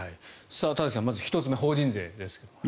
田崎さん１つ目、法人税です。